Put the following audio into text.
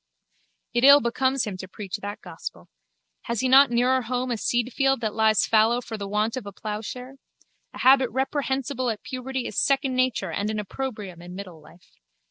It ill becomes him to preach that gospel. Has he not nearer home a seedfield that lies fallow for the want of the ploughshare? A habit reprehensible at puberty is second nature and an opprobrium in middle life.